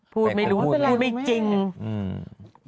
พูดไม่รู้พูดไม่จริงว่าเป็นบุคคลไล่เป็นคนนะครับคุณแม่